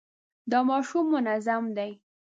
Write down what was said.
دا ماشوم منظم دی.